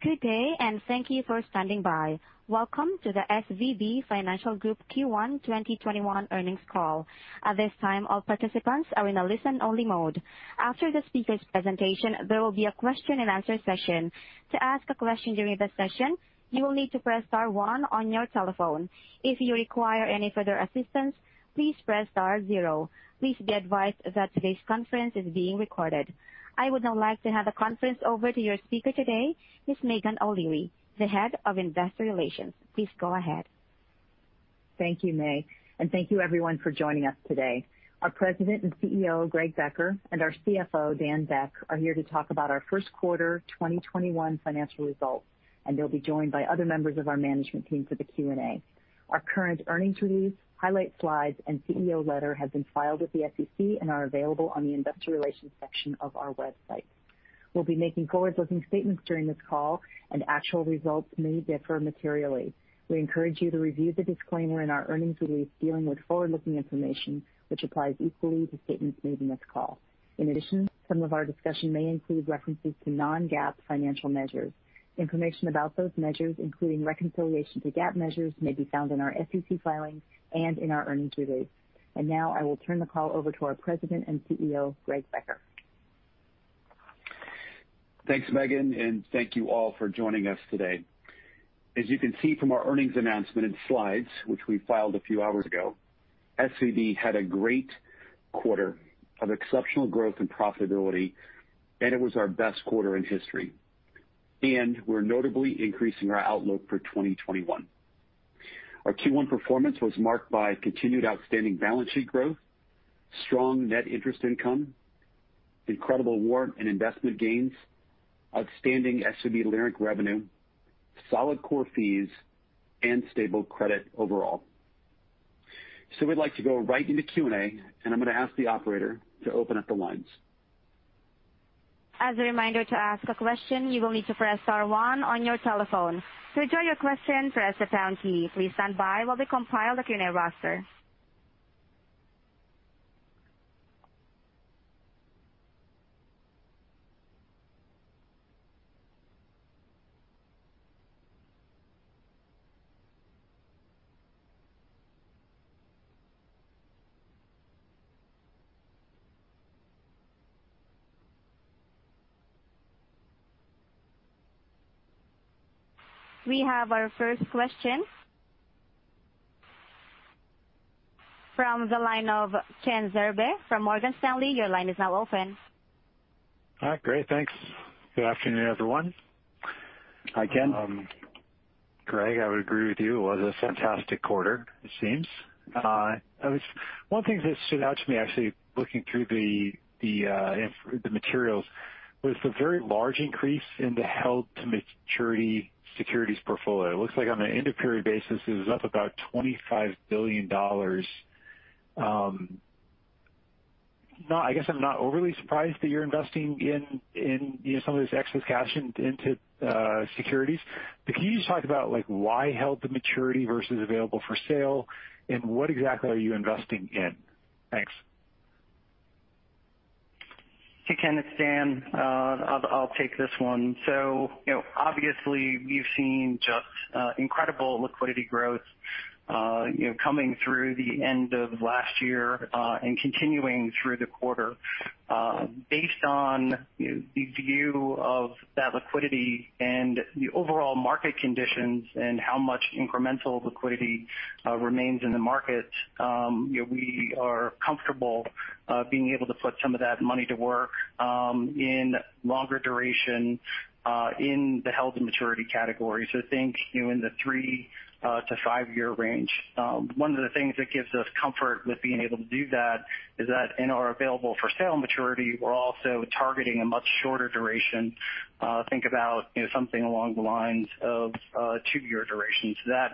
Good day, and thank you for standing by. Welcome to the SVB Financial Group Q1 2021 earnings call. At this time, all participants are in a listen-only mode. After the speakers' presentation, there will be a question and answer session. To ask a question during the session, you will need to press star one on your telephone. If you require any further assistance, please press star zero. Please be advised that today's conference is being recorded. I would now like to hand the conference over to your speaker today, Ms. Meghan O'Leary, the Head of Investor Relations. Please go ahead. Thank you, May. Thank you everyone for joining us today. Our President and Chief Executive Officer, Greg Becker, and our Chief Financial Officer, Daniel Beck, are here to talk about our first quarter 2021 financial results, and they'll be joined by other members of our management team for the Q&A. Our current earnings release, highlight slides, and CEO letter have been filed with the SEC and are available on the investor relations section of our website. We'll be making forward-looking statements during this call and actual results may differ materially. We encourage you to review the disclaimer in our earnings release dealing with forward-looking information, which applies equally to statements made in this call. In addition, some of our discussion may include references to non-GAAP financial measures. Information about those measures, including reconciliation to GAAP measures, may be found in our SEC filings and in our earnings release. Now I will turn the call over to our President and CEO, Greg Becker. Thanks, Meghan, thank you all for joining us today. As you can see from our earnings announcement and slides, which we filed a few hours ago, SVB had a great quarter of exceptional growth and profitability, and it was our best quarter in history. We're notably increasing our outlook for 2021. Our Q1 performance was marked by continued outstanding balance sheet growth, strong net interest income, incredible warrant and investment gains, outstanding SVB Leerink revenue, solid core fees, and stable credit overall. We'd like to go right into Q&A, and I'm going to ask the operator to open up the lines. As a reminder, to ask a question, you will need to press star one on your telephone. To withdraw your question, press the pound key. Please stand by while we compile the Q&A roster. We have our first question from the line of Ken Zerbe from Morgan Stanley. Your line is now open. All right, great. Thanks. Good afternoon, everyone. Hi, Ken. Greg, I would agree with you. It was a fantastic quarter, it seems. One thing that stood out to me actually looking through the materials was the very large increase in the held-to-maturity securities portfolio. It looks like on an end-of-period basis, it was up about $25 billion. I guess I'm not overly surprised that you're investing some of this excess cash into securities. Can you just talk about why held-to-maturity versus available-for-sale, and what exactly are you investing in? Thanks. Hey, Ken, it's Dan. I'll take this one. Obviously you've seen just incredible liquidity growth coming through the end of last year, and continuing through the quarter. Based on the view of that liquidity and the overall market conditions and how much incremental liquidity remains in the market, we are comfortable being able to put some of that money to work in longer duration in the held-to-maturity category. Think in the 3-5 year range. One of the things that gives us comfort with being able to do that is that in our available-for-sale maturity, we're also targeting a much shorter duration. Think about something along the lines of two-year durations. That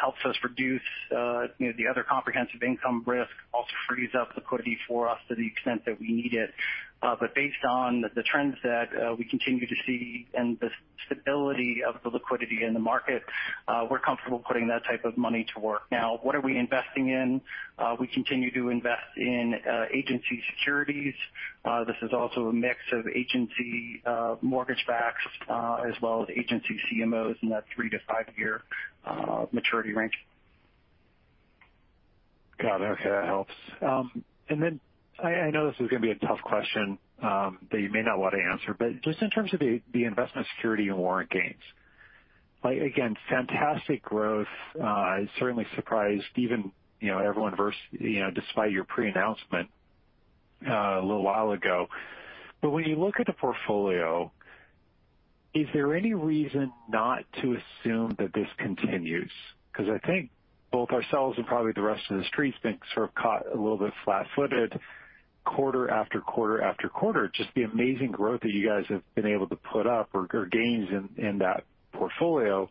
helps us reduce the other comprehensive income risk, also frees up liquidity for us to the extent that we need it. Based on the trends that we continue to see and the stability of the liquidity in the market, we're comfortable putting that type of money to work. Now, what are we investing in? We continue to invest in agency securities. This is also a mix of agency mortgage backs as well as agency CMOs in that three to five-year maturity range. Got it. Okay. That helps. I know this is going to be a tough question that you may not want to answer, but just in terms of the investment security and warrant gains. Again, fantastic growth. It certainly surprised even everyone despite your pre-announcement a little while ago. When you look at the portfolio, is there any reason not to assume that this continues? I think both ourselves and probably the rest of the Street's been sort of caught a little bit flat-footed quarter after quarter after quarter, just the amazing growth that you guys have been able to put up or gains in that portfolio.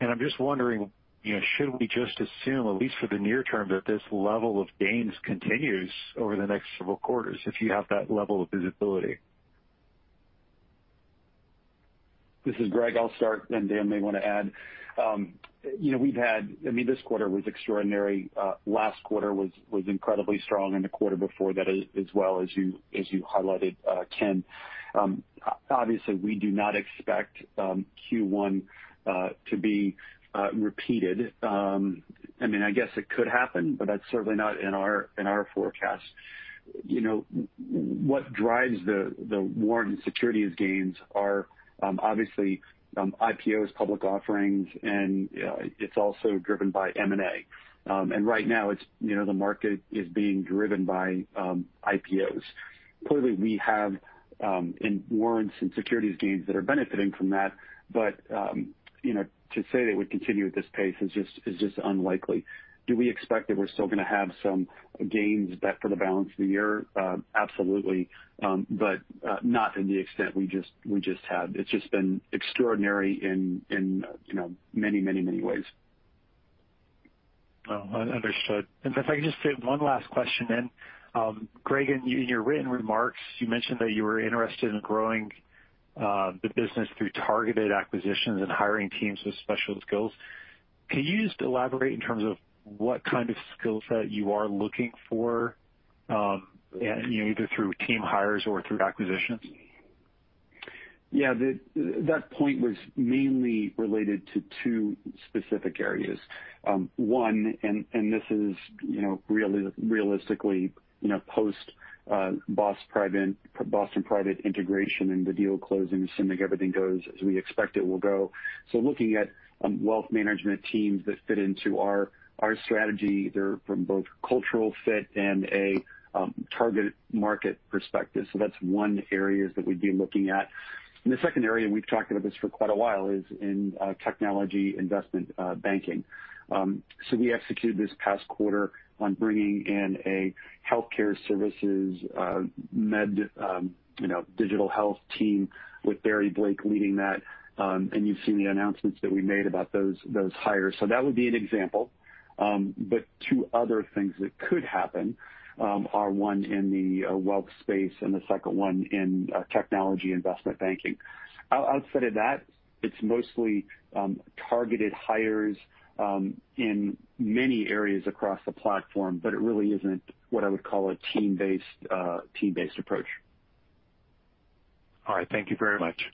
I'm just wondering, should we just assume, at least for the near term, that this level of gains continues over the next several quarters if you have that level of visibility? This is Greg. I'll start, and Dan may want to add. This quarter was extraordinary. Last quarter was incredibly strong, and the quarter before that as well, as you highlighted, Ken. Obviously, we do not expect Q1 to be repeated. I guess it could happen, but that's certainly not in our forecast. What drives the warrant and securities gains are obviously IPOs, public offerings, and it's also driven by M&A. Right now the market is being driven by IPOs. Clearly, we have warrants and securities gains that are benefiting from that. To say that it would continue at this pace is just unlikely. Do we expect that we're still going to have some gains for the balance of the year? Absolutely. Not to the extent we just had. It's just been extraordinary in many ways. Understood. If I could just fit one last question in. Greg, in your written remarks, you mentioned that you were interested in growing the business through targeted acquisitions and hiring teams with special skills. Can you just elaborate in terms of what kind of skill set you are looking for, either through team hires or through acquisitions? That point was mainly related to two specific areas. One, this is realistically post Boston Private integration and the deal closing, assuming everything goes as we expect it will go. Looking at wealth management teams that fit into our strategy there from both cultural fit and a target market perspective. That's one area that we'd be looking at. The second area, we've talked about this for quite a while, is in technology investment banking. We executed this past quarter on bringing in a healthcare services medtech, digital health team with Barry Blake leading that. You've seen the announcements that we made about those hires. That would be an example. Two other things that could happen are, one in the wealth space and the second one in technology investment banking. Outside of that, it's mostly targeted hires in many areas across the platform, but it really isn't what I would call a team-based approach. All right. Thank you very much.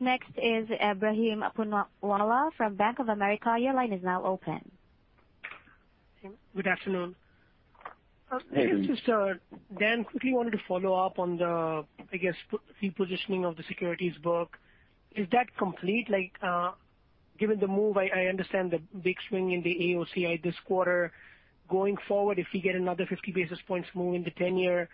Yep. Next is Ebrahim Poonawala from Bank of America. Your line is now open. Good afternoon. Hey. Just, Dan, quickly wanted to follow up on the, I guess, repositioning of the securities book. Is that complete? Given the move, I understand the big swing in the AOCI this quarter. Going forward, if we get another 50 basis points move in the 10-year,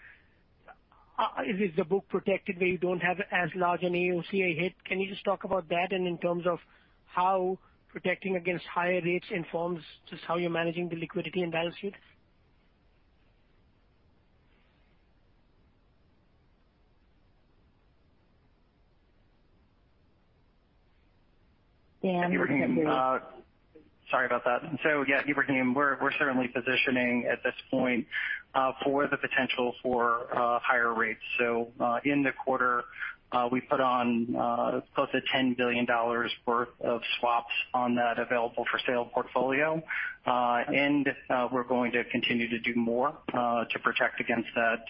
is the book protected where you don't have as large an AOCI hit? Can you just talk about that and in terms of how protecting against higher rates informs just how you're managing the liquidity and balance sheet? Dan- Sorry about that. Yeah, Ebrahim, we're certainly positioning at this point for the potential for higher rates. In the quarter, we put on close to $10 billion worth of swaps on that available-for-sale portfolio. We're going to continue to do more to protect against that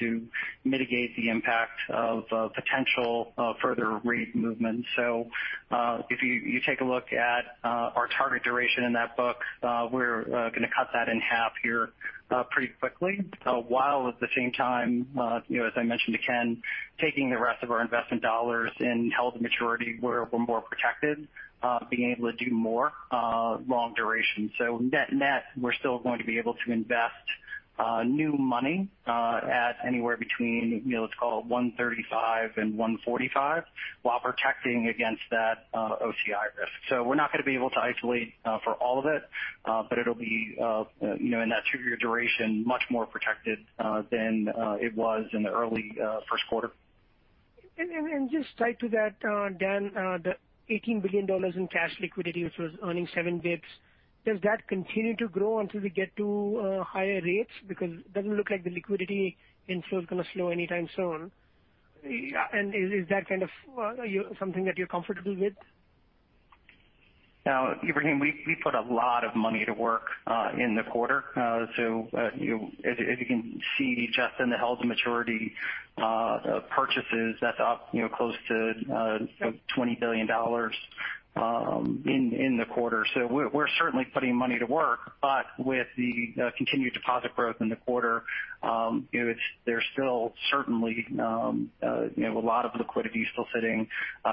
to mitigate the impact of potential further rate movements. If you take a look at our target duration in that book, we're going to cut that in half here pretty quickly. While at the same time, as I mentioned to Ken, taking the rest of our investment dollars in held-to-maturity where we're more protected, being able to do more long duration. Net, we're still going to be able to invest new money at anywhere between, let's call it 135 and 145 while protecting against that OCI risk. We're not going to be able to isolate for all of it. It'll be in that two-year duration, much more protected than it was in the early first quarter. Just tied to that, Dan, the $18 billion in cash liquidity, which was earning seven basis points, does that continue to grow until we get to higher rates? It doesn't look like the liquidity inflow's going to slow anytime soon. Is that kind of something that you're comfortable with? Ebrahim, we put a lot of money to work in the quarter. As you can see, just in the held-to-maturity purchases, that's up close to $20 billion in the quarter. We're certainly putting money to work, with the continued deposit growth in the quarter there's still certainly a lot of liquidity still sitting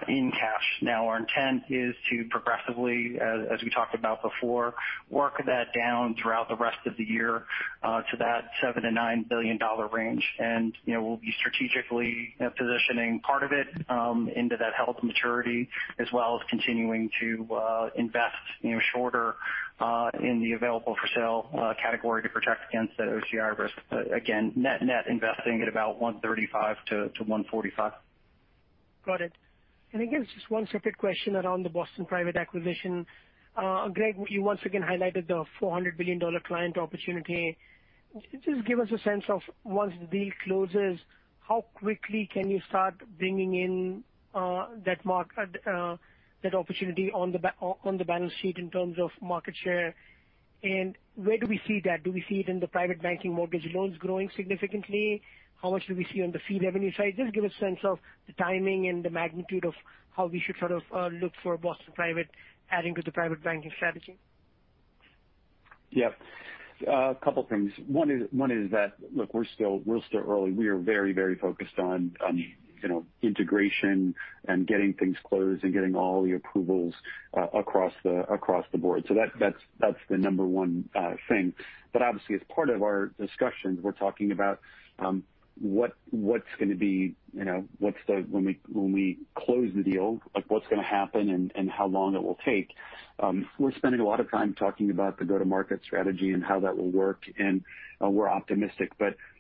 in cash. Our intent is to progressively, as we talked about before, work that down throughout the rest of the year to that $7 billion-$9 billion range. We'll be strategically positioning part of it into that held-to-maturity, as well as continuing to invest shorter in the available-for-sale category to protect against that OCI risk. Again, net investing at about 135 to 145. Got it. Just one separate question around the Boston Private acquisition. Greg, you once again highlighted the $400 billion client opportunity. Just give us a sense of once the deal closes, how quickly can you start bringing in that opportunity on the balance sheet in terms of market share? Where do we see that? Do we see it in the private banking mortgage loans growing significantly? How much do we see on the fee revenue side? Just give a sense of the timing and the magnitude of how we should sort of look for Boston Private adding to the private banking strategy. Yep. A couple things. One is that, look, we're still early. We are very focused on integration and getting things closed and getting all the approvals across the board. That's the number 1 thing. Obviously, as part of our discussions, we're talking about when we close the deal, what's going to happen and how long it will take. We're spending a lot of time talking about the go-to-market strategy and how that will work, and we're optimistic.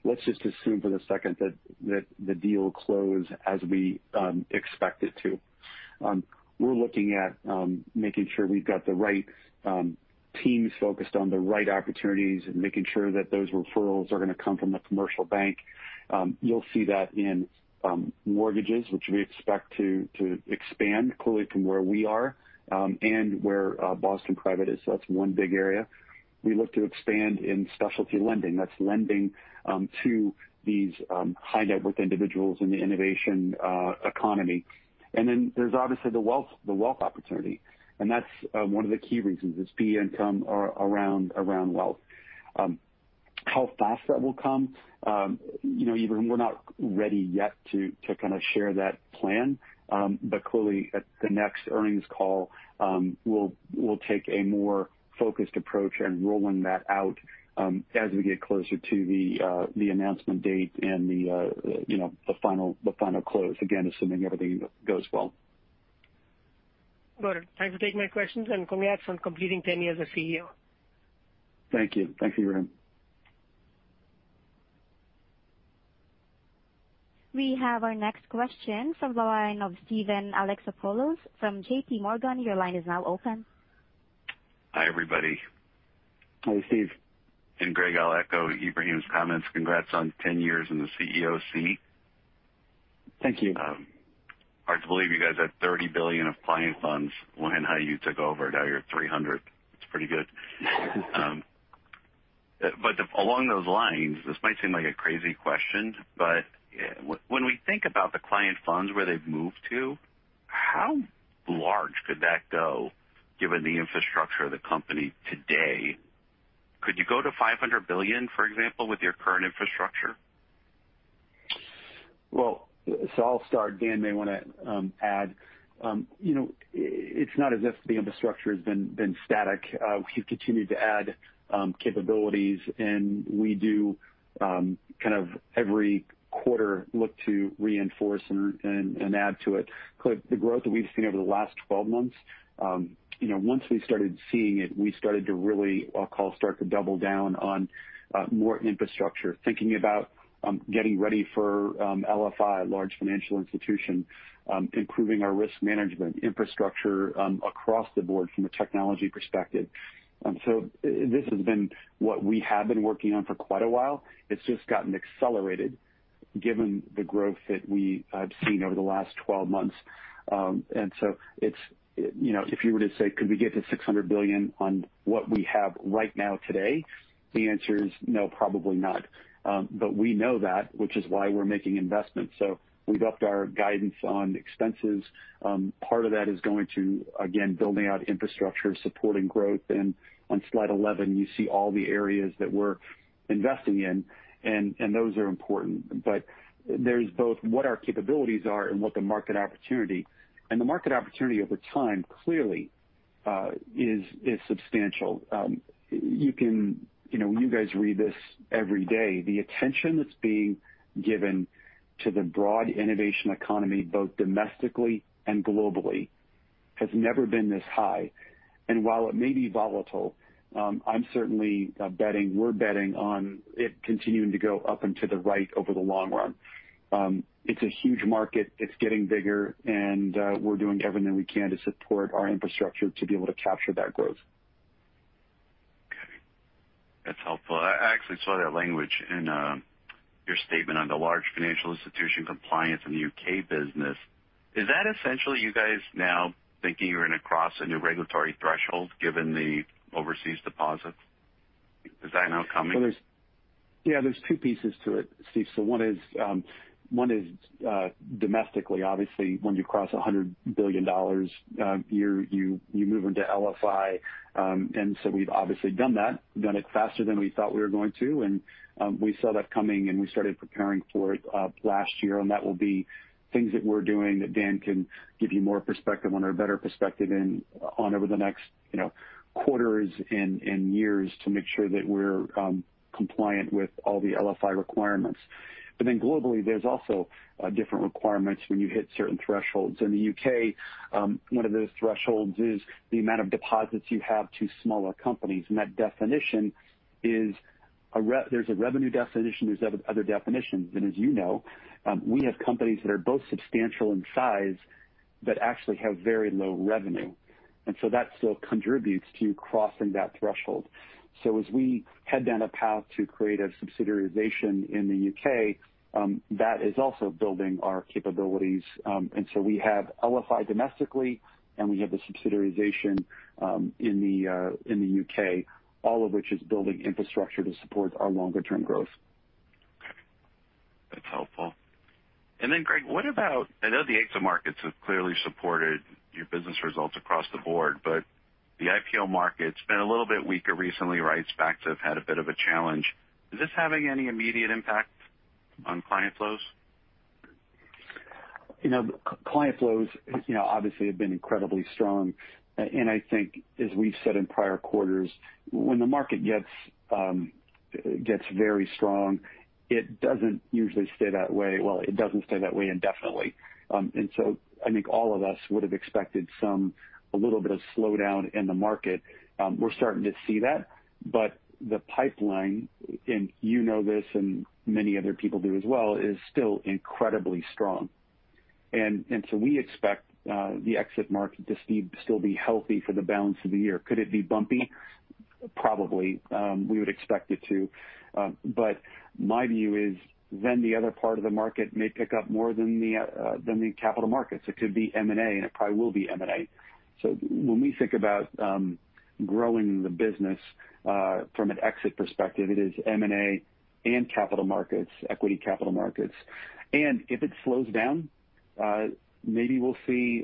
Let's just assume for the second that the deal will close as we expect it to. We're looking at making sure we've got the right teams focused on the right opportunities and making sure that those referrals are going to come from the Commercial Bank. You'll see that in mortgages, which we expect to expand clearly from where we are, and where Boston Private is. That's one big area. We look to expand in specialty lending. That's lending to these high-net-worth individuals in the innovation economy. There's obviously the wealth opportunity, and that's one of the key reasons is fee income around wealth. How fast that will come? Ebrahim, we're not ready yet to kind of share that plan. Clearly at the next earnings call, we'll take a more focused approach in rolling that out as we get closer to the announcement date and the final close. Again, assuming everything goes well. Got it. Thank you for taking my questions and congrats on completing 10 years as CEO. Thank you. Thank you, Ebrahim. We have our next question from the line of Steven Alexopoulos from JPMorgan. Your line is now open. Hi, everybody. Hi, Steven. Greg, I'll echo Ebrahim's comments. Congrats on 10 years in the CEO seat. Thank you. Hard to believe you guys had $30 billion of client funds when how you took over. Now you're at $300. It's pretty good. Along those lines, this might seem like a crazy question, but when we think about the client funds where they've moved to, how large could that go given the infrastructure of the company today? Could you go to $500 billion, for example, with your current infrastructure? I'll start. Dan may want to add. It's not as if the infrastructure has been static. We've continued to add capabilities, and we do every quarter look to reinforce and add to it. Clearly, the growth that we've seen over the last 12 months, once we started seeing it, we started to really start to double down on more infrastructure. Thinking about getting ready for LFI, large financial institution, improving our risk management infrastructure across the board from a technology perspective. This has been what we have been working on for quite a while. It's just gotten accelerated given the growth that we have seen over the last 12 months. If you were to say, could we get to $600 billion on what we have right now today? The answer is no, probably not. We know that, which is why we're making investments. We've upped our guidance on expenses. Part of that is going to, again, building out infrastructure, supporting growth, and on slide 11, you see all the areas that we're investing in, and those are important. There's both what our capabilities are and what the market opportunity. The market opportunity over time clearly is substantial. You guys read this every day. The attention that's being given to the broad innovation economy, both domestically and globally, has never been this high. While it may be volatile, I'm certainly betting, we're betting on it continuing to go up and to the right over the long run. It's a huge market. It's getting bigger, and we're doing everything we can to support our infrastructure to be able to capture that growth. Okay. That's helpful. I actually saw that language in your statement on the large financial institution compliance in the U.K. business. Is that essentially you guys now thinking you're going to cross a new regulatory threshold given the overseas deposits? Is that now coming? Yeah, there's two pieces to it, Steve. One is domestically. Obviously, once you cross $100 billion, you move into LFI. We've obviously done that. We've done it faster than we thought we were going to. We saw that coming, and we started preparing for it last year, and that will be things that we're doing that Dan can give you more perspective on or better perspective on over the next quarters and years to make sure that we're compliant with all the LFI requirements. Globally, there's also different requirements when you hit certain thresholds. In the U.K., one of those thresholds is the amount of deposits you have to smaller companies, and that definition is. There's a revenue definition, there's other definitions. As you know, we have companies that are both substantial in size but actually have very low revenue. That still contributes to crossing that threshold. As we head down a path to create a subsidiarization in the U.K., that is also building our capabilities. We have LFI domestically, and we have the subsidiarization in the U.K., all of which is building infrastructure to support our longer-term growth. Okay. That's helpful. Then, Greg, what about-- I know the exit markets have clearly supported your business results across the board, but the IPO market, it's been a little bit weaker recently, right? SPACs have had a bit of a challenge. Is this having any immediate impact on client flows? Client flows obviously have been incredibly strong, and I think as we've said in prior quarters, when the market gets very strong, it doesn't usually stay that way. Well, it doesn't stay that way indefinitely. I think all of us would've expected a little bit of slowdown in the market. We're starting to see that. The pipeline, and you know this and many other people do as well, is still incredibly strong. We expect the exit market to still be healthy for the balance of the year. Could it be bumpy? Probably. We would expect it to. My view is then the other part of the market may pick up more than the capital markets. It could be M&A, and it probably will be M&A. When we think about growing the business from an exit perspective, it is M&A and capital markets, equity capital markets. If it slows down, maybe we'll see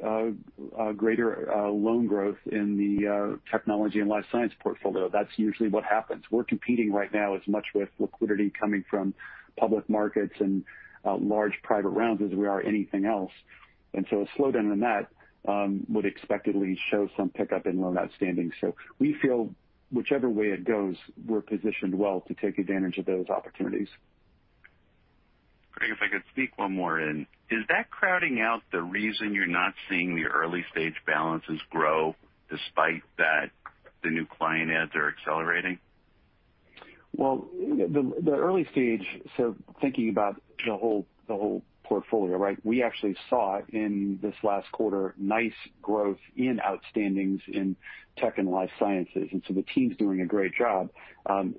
greater loan growth in the technology and life science portfolio. That's usually what happens. We're competing right now as much with liquidity coming from public markets and large private rounds as we are anything else. A slowdown in that would expectedly show some pickup in loan outstanding. We feel whichever way it goes, we're positioned well to take advantage of those opportunities. Greg, if I could sneak one more in. Is that crowding out the reason you're not seeing your early-stage balances grow despite that the new client adds are accelerating? Well, the early stage, so thinking about the whole portfolio, right? We actually saw in this last quarter nice growth in outstandings in tech and life sciences, and so the team's doing a great job.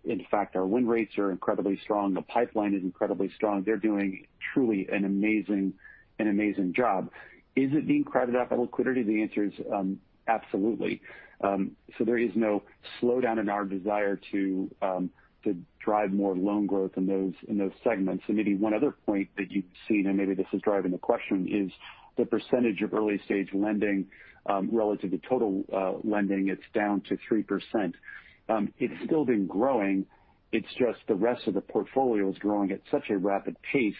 In fact, our win rates are incredibly strong. The pipeline is incredibly strong. They're doing truly an amazing job. Is it being crowded out by liquidity? The answer is absolutely. There is no slowdown in our desire to drive more loan growth in those segments. Maybe one other point that you've seen, and maybe this is driving the question, is the percentage of early-stage lending relative to total lending, it's down to 3%. It's still been growing. It's just the rest of the portfolio is growing at such a rapid pace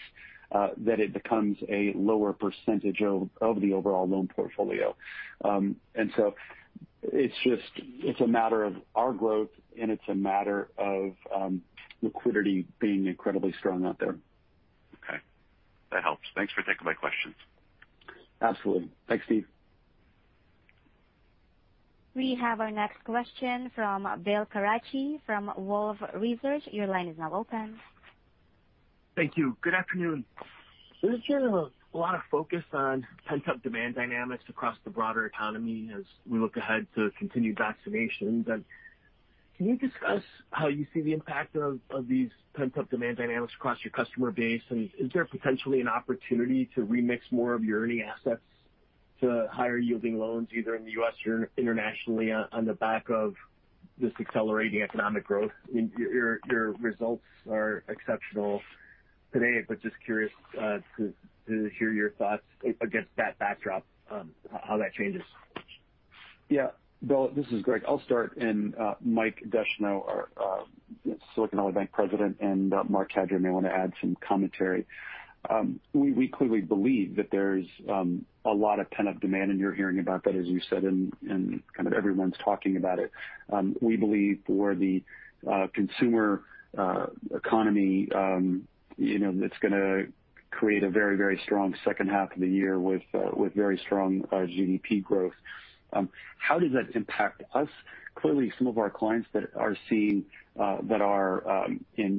that it becomes a lower percentage of the overall loan portfolio. It's a matter of our growth and it's a matter of liquidity being incredibly strong out there. Okay. That helps. Thanks for taking my questions. Absolutely. Thanks, Steve. We have our next question from Bill Carcache from Wolfe Research. Your line is now open. Thank you. Good afternoon. There's been a lot of focus on pent-up demand dynamics across the broader economy as we look ahead to continued vaccinations. Can you discuss how you see the impact of these pent-up demand dynamics across your customer base? Is there potentially an opportunity to remix more of your earning assets to higher-yielding loans, either in the U.S. or internationally on the back of this accelerating economic growth? Your results are exceptional today. Just curious to hear your thoughts against that backdrop, how that changes. Yeah. Bill, this is Greg. I'll start, and Mike Descheneaux, our Silicon Valley Bank president, and Marc Cadieux may want to add some commentary. We clearly believe that there's a lot of pent-up demand, and you're hearing about that, as you said, and kind of everyone's talking about it. We believe for the consumer economy it's going to create a very strong second half of the year with very strong GDP growth. How does that impact us? Clearly, some of our clients that are in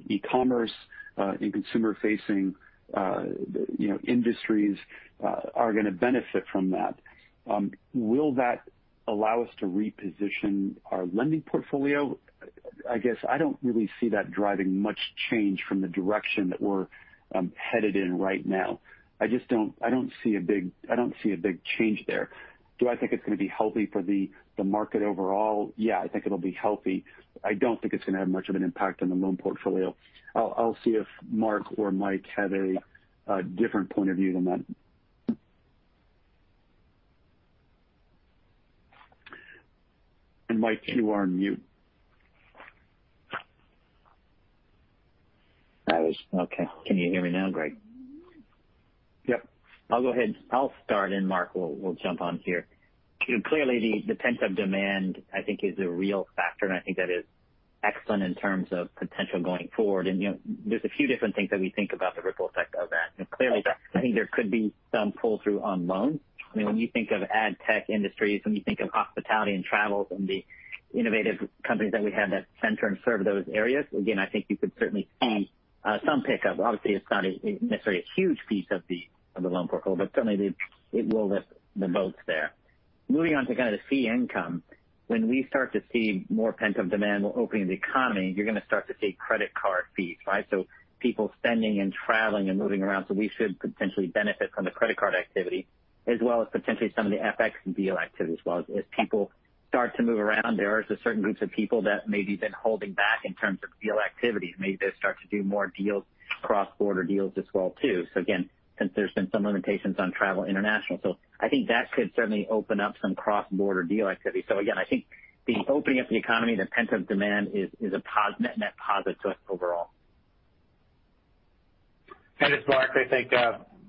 e-commerce, in consumer-facing industries are going to benefit from that. Will that allow us to reposition our lending portfolio? I guess I don't really see that driving much change from the direction that we're headed in right now. I don't see a big change there. Do I think it's going to be healthy for the market overall? Yeah, I think it'll be healthy. I don't think it's going to have much of an impact on the loan portfolio. I'll see if Marc or Mike have a different point of view than that. Mike, you are on mute. Okay. Can you hear me now, Greg? Yep. I'll go ahead. I'll start, Marc will jump on here. Clearly the pent-up demand I think is a real factor, I think that is excellent in terms of potential going forward. There's a few different things that we think about the ripple effect of that. Clearly, I think there could be some pull-through on loans. When you think of ad tech industries, when you think of hospitality and travel and the innovative companies that we have that center and serve those areas, I think you could certainly see some pickup. Obviously, it's not necessarily a huge piece of the loan portfolio, but certainly it will lift the boats there. Moving on to kind of the fee income. When we start to see more pent-up demand opening the economy, you're going to start to see credit card fees, right? People spending and traveling and moving around. We should potentially benefit from the credit card activity as well as potentially some of the FX deal activity as well. As people start to move around, there are certain groups of people that maybe have been holding back in terms of deal activity. Maybe they'll start to do more deals, cross-border deals as well too. Again, since there's been some limitations on travel international, so I think that could certainly open up some cross-border deal activity. Again, I think the opening up the economy, the pent-up demand is a net positive to us overall. It's Marc. I think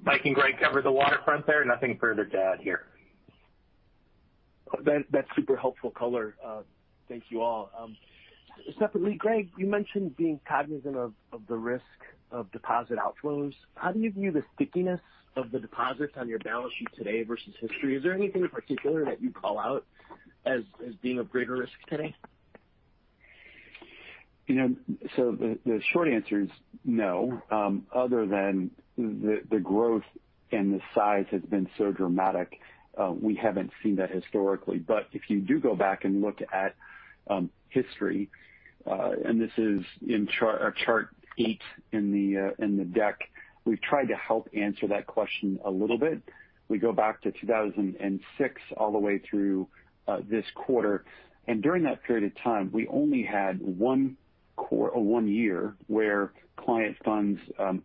Mike Descheneaux and Greg Becker covered the waterfront there. Nothing further to add here. That's super helpful color. Thank you all. Separately, Greg, you mentioned being cognizant of the risk of deposit outflows. How do you view the stickiness of the deposits on your balance sheet today versus history? Is there anything in particular that you call out as being a greater risk today? The short answer is no. Other than the growth and the size has been so dramatic, we haven't seen that historically. If you do go back and look at history, and this is in our Chart eight in the deck, we've tried to help answer that question a little bit. We go back to 2006 all the way through this quarter, and during that period of time, we only had one year where client funds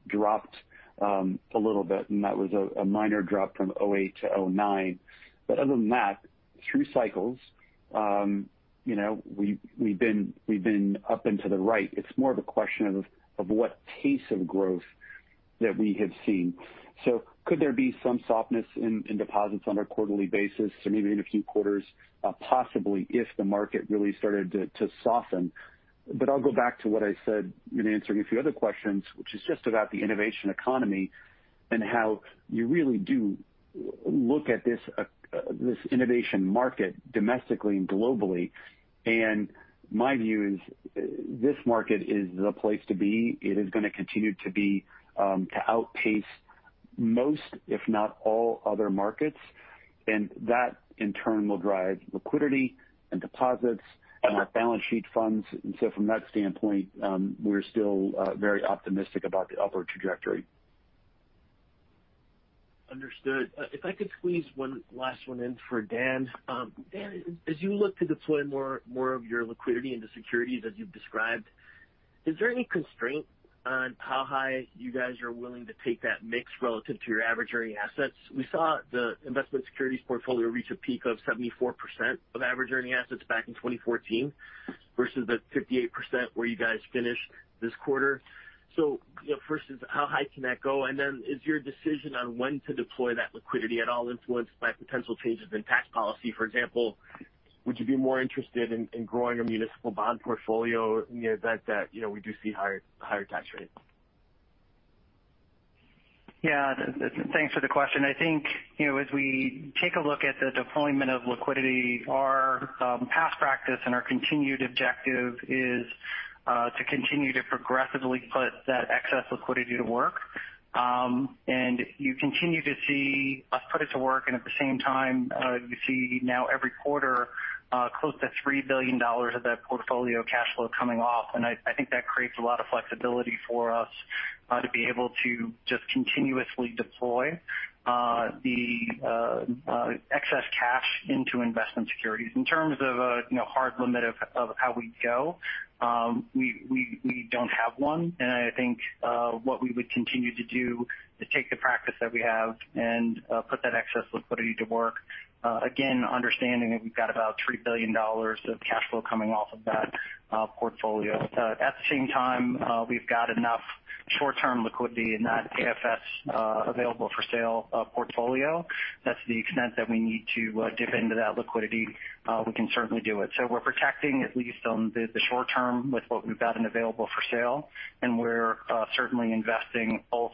dropped a little bit, and that was a minor drop from 2008 to 2009. Other than that, through cycles, we've been up and to the right. It's more of a question of what pace of growth that we have seen. Could there be some softness in deposits on a quarterly basis and even in a few quarters? Possibly, if the market really started to soften. I'll go back to what I said in answering a few other questions, which is just about the innovation economy and how you really do look at this innovation market domestically and globally. My view is this market is the place to be. It is going to continue to outpace most, if not all other markets. That in turn will drive liquidity and deposits and our balance sheet funds. From that standpoint, we're still very optimistic about the upward trajectory. Understood. If I could squeeze one last one in for Dan. Dan, as you look to deploy more of your liquidity into securities as you've described, is there any constraint on how high you guys are willing to take that mix relative to your average earning assets? We saw the investment securities portfolio reach a peak of 74% of average earning assets back in 2014 versus the 58% where you guys finished this quarter. First is how high can that go? Is your decision on when to deploy that liquidity at all influenced by potential changes in tax policy? For example, would you be more interested in growing a municipal bond portfolio in the event that we do see higher tax rates? Yeah. Thanks for the question. I think as we take a look at the deployment of liquidity, our past practice and our continued objective is to continue to progressively put that excess liquidity to work. You continue to see us put it to work, and at the same time, you see now every quarter close to $3 billion of that portfolio cash flow coming off. I think that creates a lot of flexibility for us to be able to just continuously deploy the excess cash into investment securities. In terms of a hard limit of how we go, we don't have one. I think what we would continue to do is take the practice that we have and put that excess liquidity to work. Again, understanding that we've got about $3 billion of cash flow coming off of that portfolio. At the same time, we've got enough short-term liquidity in that AFS, available-for-sale portfolio. That's the extent that we need to dip into that liquidity. We can certainly do it. We're protecting at least on the short term with what we've got in available-for-sale, and we're certainly investing both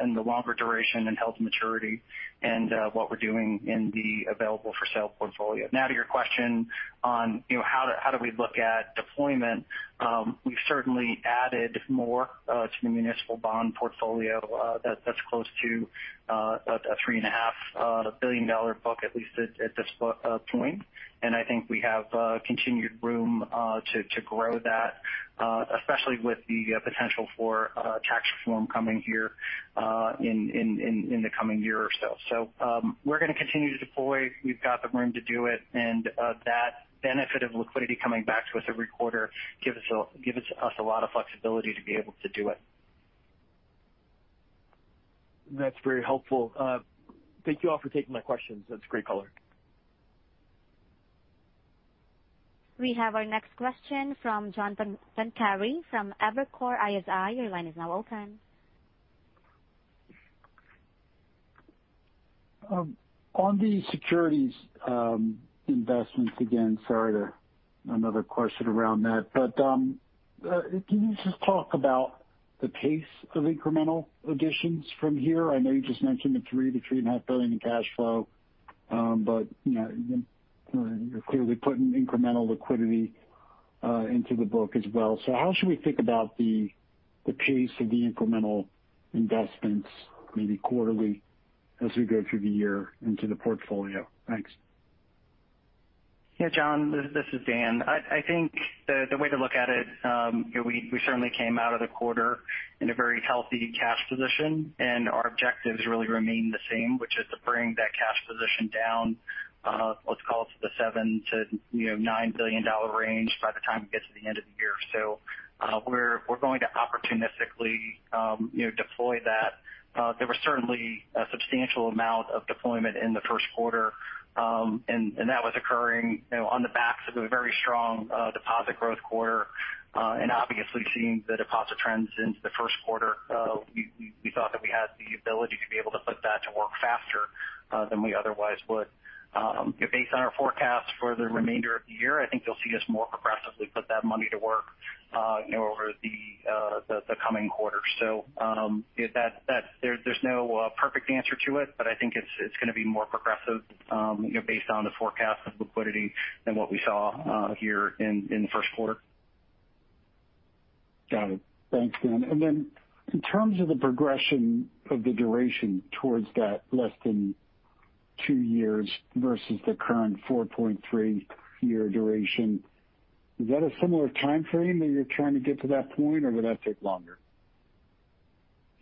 in the longer duration and held-to-maturity and what we're doing in the available-for-sale portfolio. To your question on how do we look at deployment. We've certainly added more to the municipal bond portfolio that's close to a $3.5 billion book, at least at this point. I think we have continued room to grow that, especially with the potential for tax reform coming here in the coming year or so. We're going to continue to deploy. We've got the room to do it, and that benefit of liquidity coming back to us every quarter gives us a lot of flexibility to be able to do it. That's very helpful. Thank you all for taking my questions. That's great color. We have our next question from John Pancari from Evercore ISI. Your line is now open. On the securities investments, again, sorry, another question around that. Can you just talk about the pace of incremental additions from here? I know you just mentioned the $3 billion-$3.5 billion in cash flow, you're clearly putting incremental liquidity into the book as well. How should we think about the pace of the incremental investments maybe quarterly as we go through the year into the portfolio? Thanks. Yeah, John, this is Dan. I think the way to look at it, we certainly came out of the quarter in a very healthy cash position, and our objectives really remain the same, which is to bring that cash position down, let's call it to the $7 billion-$9 billion range by the time it gets to the end of the year. We're going to opportunistically deploy that. There was certainly a substantial amount of deployment in the first quarter, and that was occurring on the backs of a very strong deposit growth quarter. Obviously seeing the deposit trends since the first quarter, we thought that we had the ability to be able to put that to work faster than we otherwise would. Based on our forecast for the remainder of the year, I think you'll see us more progressively put that money to work over the coming quarters. There's no perfect answer to it, but I think it's going to be more progressive based on the forecast of liquidity than what we saw here in the first quarter. Got it. Thanks, Dan. In terms of the progression of the duration towards that less than two years versus the current 4.3 year duration, is that a similar time frame that you're trying to get to that point, or will that take longer?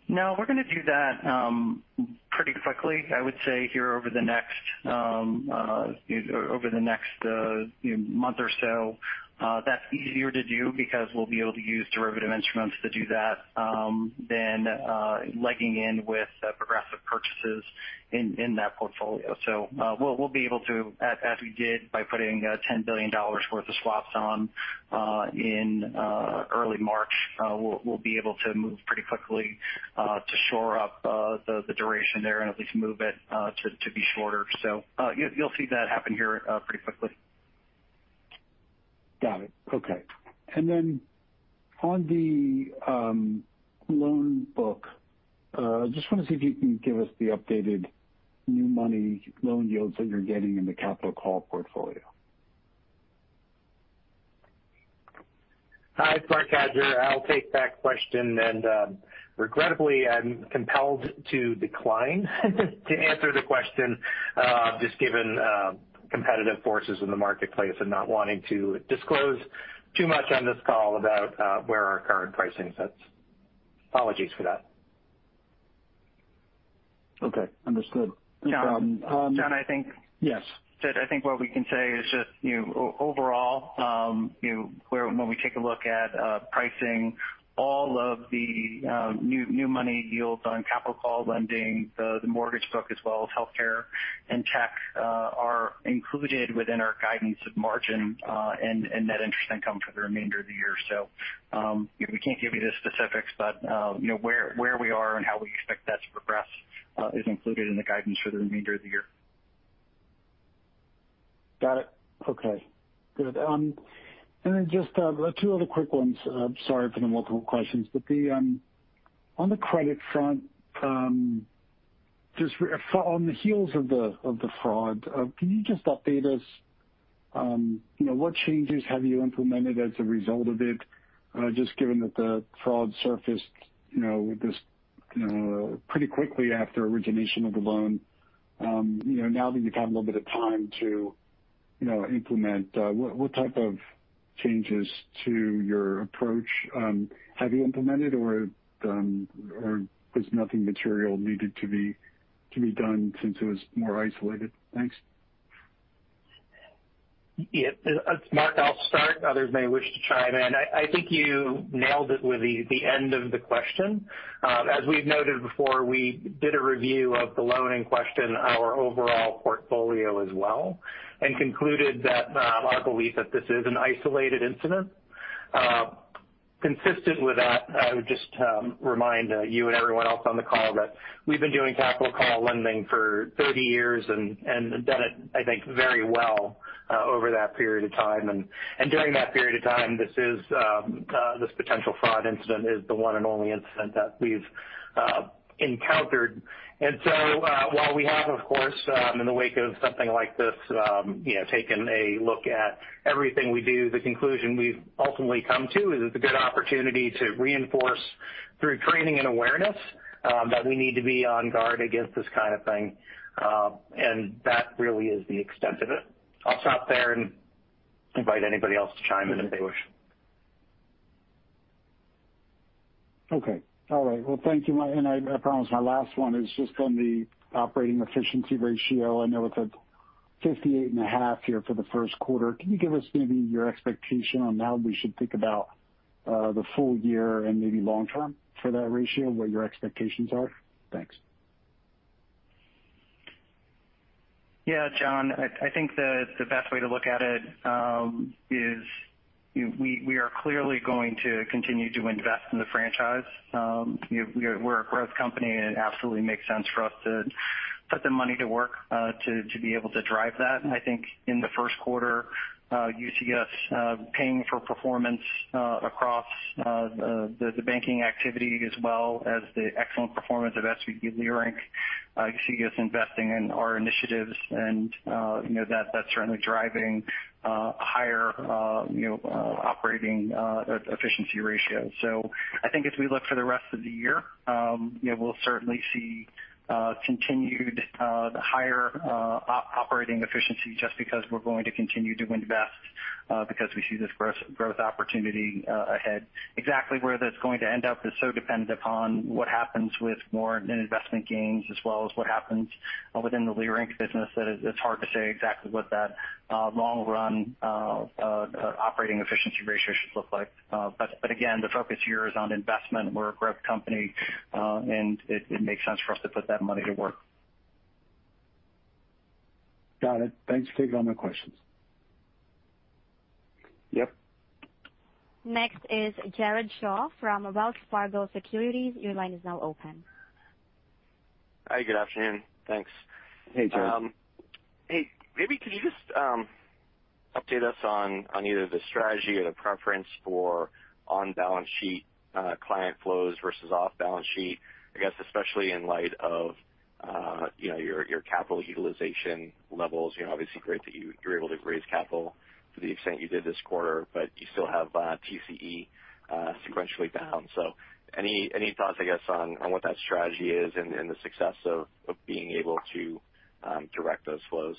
No, we're going to do that pretty quickly. I would say here over the next month or so. That's easier to do because we'll be able to use derivative instruments to do that than legging in with progressive purchases in that portfolio. We'll be able to, as we did by putting $10 billion worth of swaps on in early March, we'll be able to move pretty quickly to shore up the duration there and at least move it to be shorter. You'll see that happen here pretty quickly. Got it. Okay. Then on the loan book, just want to see if you can give us the updated new money loan yields that you're getting in the capital call portfolio. Hi, it's Marc Cadieux. I'll take that question. Regrettably, I'm compelled to decline to answer the question just given competitive forces in the marketplace and not wanting to disclose too much on this call about where our current pricing sits. Apologies for that. Okay. Understood. No problem. John? Yes. John, I think what we can say is just overall when we take a look at pricing all of the new money yields on capital call lending, the mortgage book as well as healthcare and tech are included within our guidance of margin and net interest income for the remainder of the year. We can't give you the specifics, but where we are and how we expect that to progress is included in the guidance for the remainder of the year. Got it. Okay. Good. Then just two other quick ones. Sorry for the multiple questions. On the credit front, just on the heels of the fraud, can you just update us what changes have you implemented as a result of it just given that the fraud surfaced with this pretty quickly after origination of the loan. Now that you've had a little bit of time to implement, what type of changes to your approach have you implemented, or was nothing material needed to be done since it was more isolated? Thanks. Yeah. Marc, I'll start. Others may wish to chime in. I think you nailed it with the end of the question. As we've noted before, we did a review of the loan in question, our overall portfolio as well, and concluded that our belief that this is an isolated incident. Consistent with that, I would just remind you and everyone else on the call that we've been doing capital call lending for 30 years and have done it, I think, very well over that period of time. During that period of time, this potential fraud incident is the one and only incident that we've encountered. While we have, of course, in the wake of something like this taken a look at everything we do. The conclusion we've ultimately come to is it's a good opportunity to reinforce through training and awareness that we need to be on guard against this kind of thing. That really is the extent of it. I'll stop there and invite anybody else to chime in if they wish. Okay. All right. Well, thank you. I promise my last one is just on the operating efficiency ratio. I know it's at 58.5% here for the first quarter. Can you give us maybe your expectation on how we should think about the full year and maybe long term for that ratio and what your expectations are? Thanks. Yeah, John, I think the best way to look at it is we are clearly going to continue to invest in the franchise. We're a growth company. It absolutely makes sense for us to put the money to work to be able to drive that. I think in the first quarter, you see us paying for performance across the banking activity as well as the excellent performance of SVB Leerink. You see us investing in our initiatives and that's certainly driving higher operating efficiency ratio. I think as we look for the rest of the year, we'll certainly see continued higher operating efficiency just because we're going to continue to invest because we see this growth opportunity ahead. Exactly where that's going to end up is so dependent upon what happens with more net investment gains as well as what happens within the Leerink business that it's hard to say exactly what that long-run operating efficiency ratio should look like. Again, the focus here is on investment. We're a growth company, and it makes sense for us to put that money to work. Got it. Thanks. Take all my questions. Yep. Next is Jared Shaw from Wells Fargo Securities. Your line is now open. Hi, good afternoon. Thanks. Hey, Jared. Hey. Maybe could you just update us on either the strategy or the preference for on-balance sheet client flows versus off-balance sheet, I guess especially in light of your capital utilization levels. Obviously great that you're able to raise capital to the extent you did this quarter, but you still have TCE sequentially down. Any thoughts, I guess, on what that strategy is and the success of being able to direct those flows?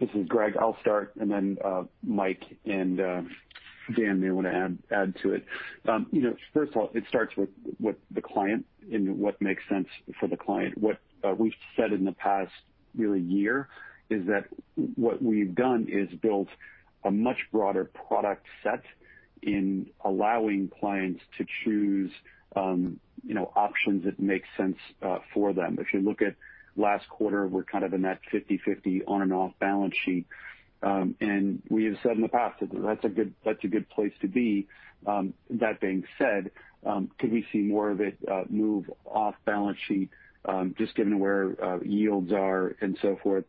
This is Greg. I'll start, and then Mike and Dan may want to add to it. First of all, it starts with the client and what makes sense for the client. What we've said in the past really year is that what we've done is built a much broader product set in allowing clients to choose options that make sense for them. If you look at last quarter, we're kind of in that 50/50 on and off balance sheet. We have said in the past that that's a good place to be. That being said, could we see more of it move off balance sheet just given where yields are and so forth?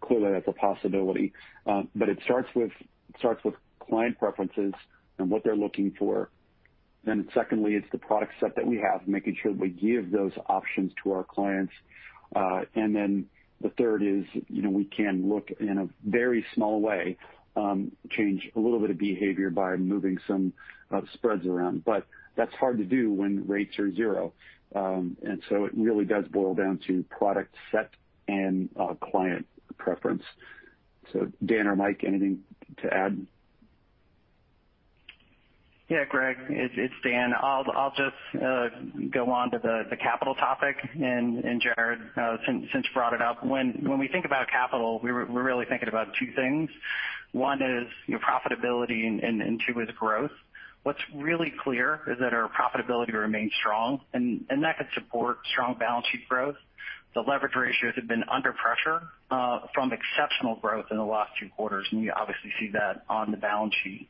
Clearly, that's a possibility. It starts with client preferences and what they're looking for. Secondly, it's the product set that we have, making sure we give those options to our clients. The third is we can look in a very small way, change a little bit of behavior by moving some spreads around. That's hard to do when rates are zero. It really does boil down to product set and client preference. Dan or Mike, anything to add? Yeah, Greg, it's Dan. I'll just go on to the capital topic, and Jared, since you brought it up. When we think about capital, we're really thinking about two things. One is profitability, and two is growth. What's really clear is that our profitability remains strong, and that could support strong balance sheet growth. The leverage ratios have been under pressure from exceptional growth in the last two quarters, and you obviously see that on the balance sheet.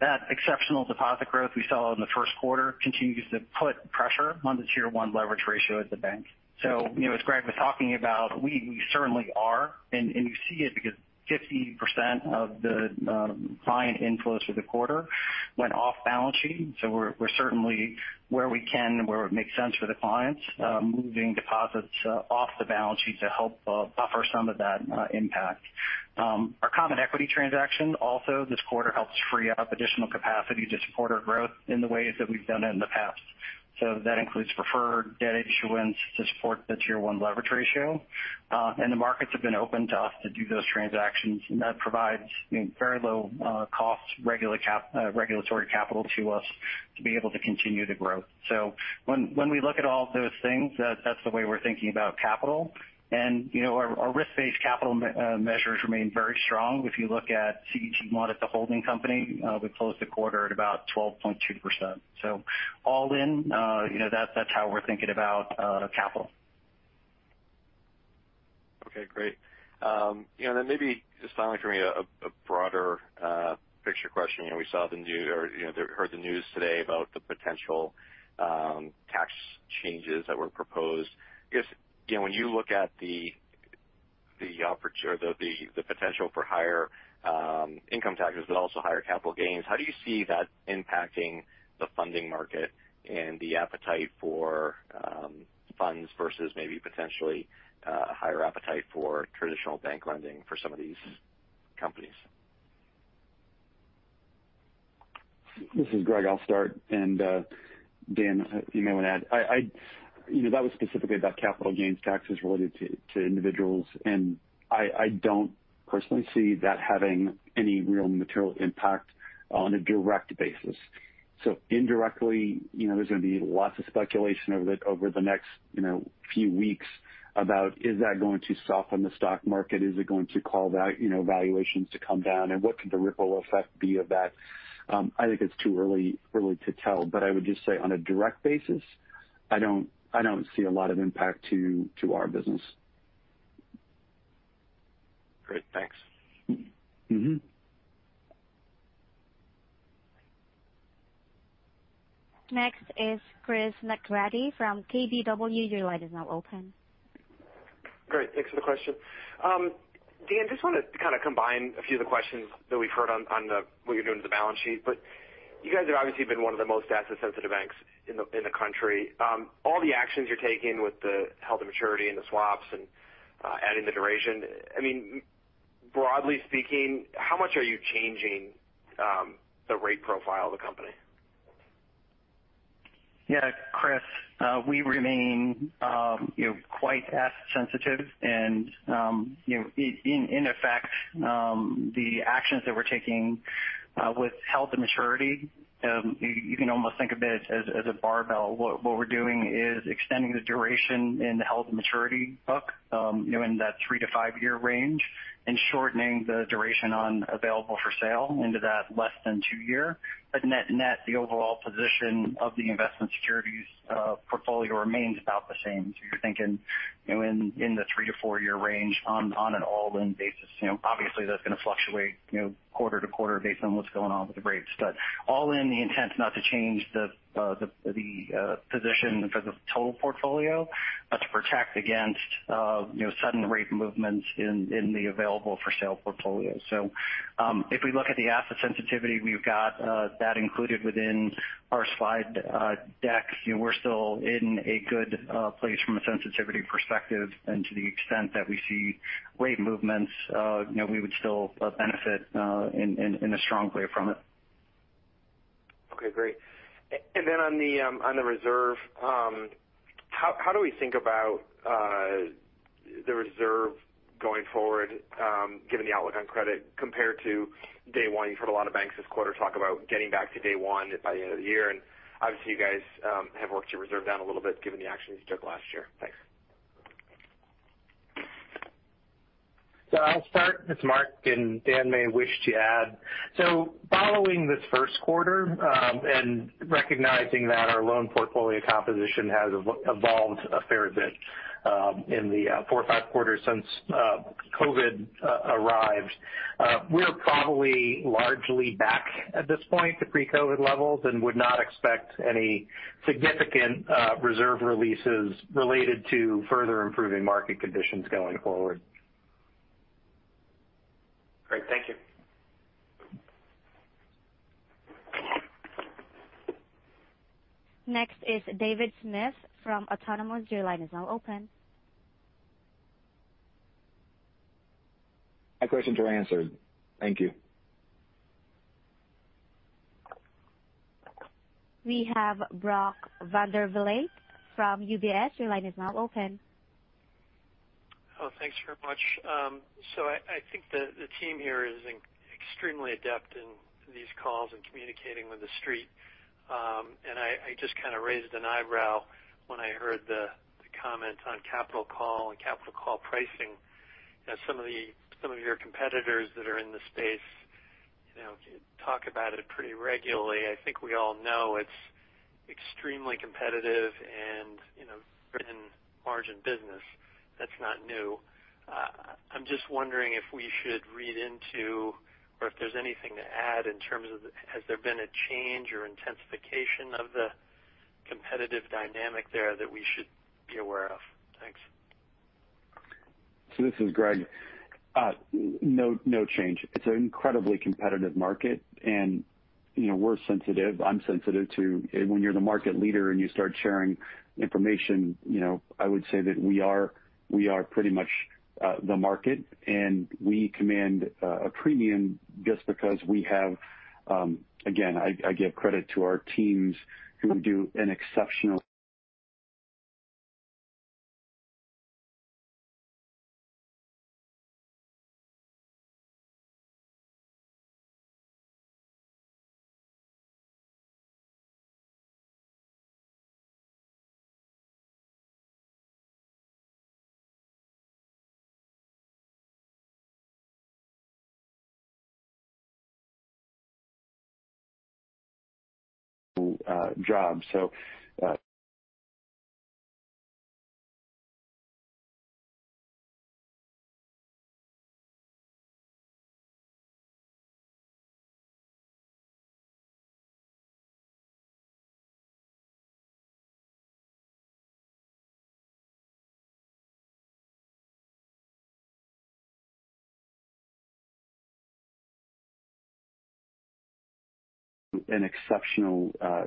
That exceptional deposit growth we saw in the first quarter continues to put pressure on the Tier 1 leverage ratio at the bank. As Greg was talking about, we certainly are, and you see it because 50% of the client inflows for the quarter went off balance sheet. We're certainly where we can, where it makes sense for the clients, moving deposits off the balance sheet to help buffer some of that impact. Our common equity transaction also this quarter helps free up additional capacity to support our growth in the ways that we've done it in the past. That includes preferred debt issuance to support the Tier 1 leverage ratio. The markets have been open to us to do those transactions, and that provides very low cost regulatory capital to us to be able to continue to grow. When we look at all those things, that's the way we're thinking about capital. Our risk-based capital measures remain very strong. If you look at CET1 at the holding company, we closed the quarter at about 12.2%. All in, that's how we're thinking about capital. Okay, great. Maybe just finally for me, a broader picture question. We heard the news today about the potential tax changes that were proposed. When you look at the potential for higher income taxes, but also higher capital gains, how do you see that impacting the funding market and the appetite for funds versus maybe potentially a higher appetite for traditional bank lending for some of these companies? This is Greg, I'll start, and Dan you may want to add. That was specifically about capital gains taxes related to individuals, and I don't personally see that having any real material impact on a direct basis. Indirectly, there's going to be lots of speculation over the next few weeks about is that going to soften the stock market? Is it going to cause valuations to come down, and what could the ripple effect be of that? I think it's too early to tell. I would just say on a direct basis, I don't see a lot of impact to our business. Great. Thanks. Next is Chris McGratty from KBW. Your line is now open. Great. Thanks for the question. Dan, just wanted to kind of combine a few of the questions that we've heard on what you're doing with the balance sheet, but you guys have obviously been one of the most asset-sensitive banks in the country. All the actions you're taking with the held-to-maturity and the swaps and adding the duration. Broadly speaking, how much are you changing the rate profile of the company? Yeah. Chris, we remain quite asset sensitive and in effect, the actions that we're taking with held-to-maturity, you can almost think of it as a barbell. What we're doing is extending the duration in the held-to-maturity book, in that three to five-year range, and shortening the duration on available-for-sale into that less than two year. Net, the overall position of the investment securities portfolio remains about the same. You're thinking in the three to four-year range on an all-in basis. Obviously, that's going to fluctuate quarter-to-quarter based on what's going on with the rates. All in the intent not to change the position for the total portfolio, but to protect against sudden rate movements in the available-for-sale portfolio. If we look at the asset sensitivity we've got that included within our slide deck. We're still in a good place from a sensitivity perspective, and to the extent that we see rate movements, we would still benefit in a strong way from it. Okay, great. On the reserve, how do we think about the reserve going forward given the outlook on credit compared to day one? You've heard a lot of banks this quarter talk about getting back to day one by the end of the year, and obviously you guys have worked your reserve down a little bit given the actions you took last year. Thanks. I'll start. It's Marc, and Dan may wish to add. Following this first quarter, and recognizing that our loan portfolio composition has evolved a fair bit in the four or five quarters since COVID arrived. We're probably largely back at this point to pre-COVID levels and would not expect any significant reserve releases related to further improving market conditions going forward. Great. Thank you. Next is David Smith from Autonomous. Your line is now open. My questions were answered. Thank you. We have Brock Vandervliet from UBS. Your line is now open. Oh, thanks very much. I think the team here is extremely adept in these calls and communicating with the Street. I just kind of raised an eyebrow when I heard the comment on capital call and capital call pricing. Some of your competitors that are in the space talk about it pretty regularly. I think we all know it's extremely competitive and written margin business. That's not new. I'm just wondering if we should read into, or if there's anything to add in terms of, has there been a change or intensification of the competitive dynamic there that we should be aware of? Thanks. This is Greg. No change. It's an incredibly competitive market and we're sensitive. I'm sensitive to when you're the market leader and you start sharing information, I would say that we are pretty much the market, and we command a premium just because again, I give credit to our teams who do an exceptional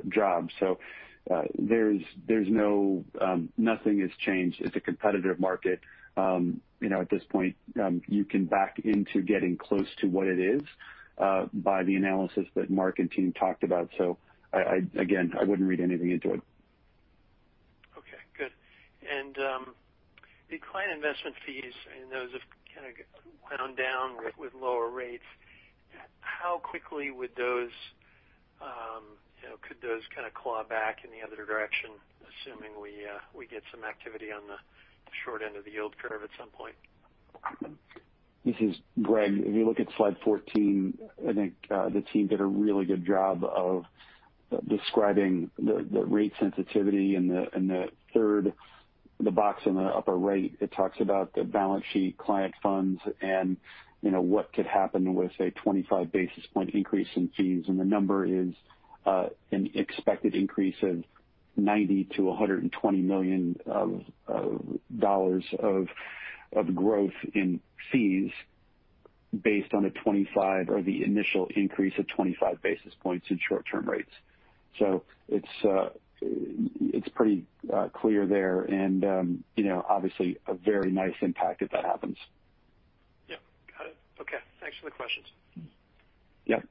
job. Nothing has changed. It's a competitive market. At this point, you can back into getting close to what it is by the analysis that Marc and team talked about. Again, I wouldn't read anything into it. Okay, good. The client investment fees, I know those have kind of gone down with lower rates. How quickly could those kind of claw back in the other direction, assuming we get some activity on the short end of the yield curve at some point? This is Greg. If you look at slide 14, I think the team did a really good job of describing the rate sensitivity in the third box in the upper right, it talks about the balance sheet client funds and what could happen with, say, 25 basis point increase in fees. The number is an expected increase of $90 million-$120 million of growth in fees based on the initial increase of 25 basis points in short-term rates. It's pretty clear there and obviously a very nice impact if that happens. Yeah. Got it. Okay. Thanks for the questions. Yep.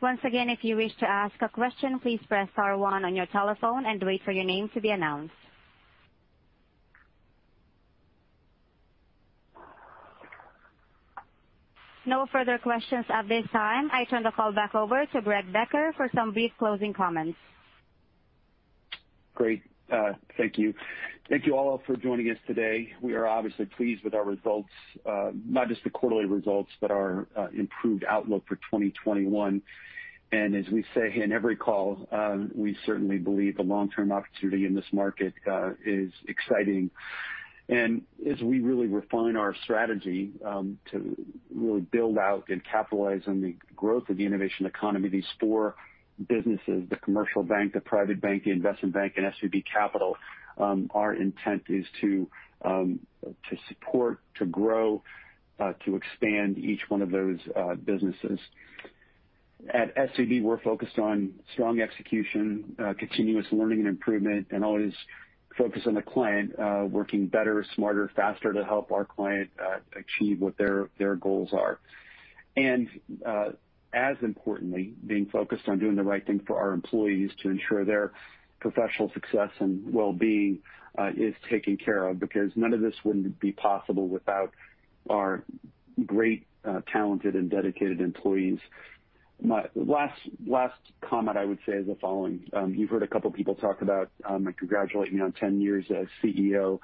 Once again, if you wish to ask a question, please press star one on your telephone and wait for your name to be announced. No further questions at this time. I turn the call back over to Greg Becker for some brief closing comments. Great. Thank you. Thank you all for joining us today. We are obviously pleased with our results, not just the quarterly results, but our improved outlook for 2021. As we say in every call, we certainly believe the long-term opportunity in this market is exciting. As we really refine our strategy to really build out and capitalize on the growth of the innovation economy, these four businesses, the commercial bank, the private bank, the investment bank, and SVB Capital, our intent is to support, to grow, to expand each one of those businesses. At SVB, we're focused on strong execution, continuous learning and improvement, and always focused on the client working better, smarter, faster to help our client achieve what their goals are. As importantly, being focused on doing the right thing for our employees to ensure their professional success and well-being is taken care of because none of this would be possible without our great, talented, and dedicated employees. My last comment I would say is the following. You've heard a couple people talk about congratulating me on 10 years as CEO,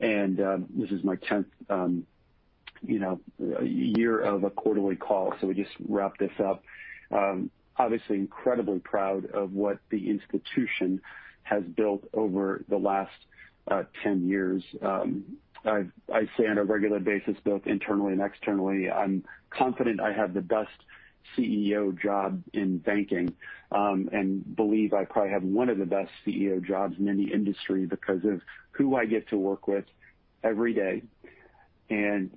and this is my 10th year of a quarterly call. We just wrapped this up. Obviously incredibly proud of what the institution has built over the last 10 years. I say on a regular basis, both internally and externally, I'm confident I have the best CEO job in banking and believe I probably have one of the best CEO jobs in any industry because of who I get to work with every day, and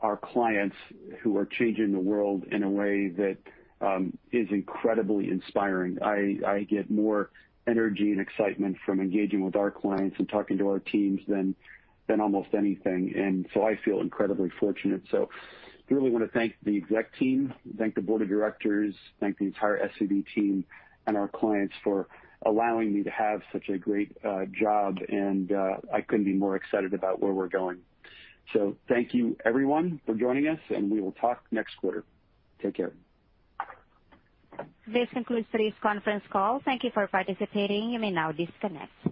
our clients who are changing the world in a way that is incredibly inspiring. I get more energy and excitement from engaging with our clients and talking to our teams than almost anything. I feel incredibly fortunate. Really want to thank the exec team, thank the board of directors, thank the entire SVB team, and our clients for allowing me to have such a great job. I couldn't be more excited about where we're going. Thank you everyone for joining us, and we will talk next quarter. Take care. This concludes today's conference call. Thank you for participating. You may now disconnect.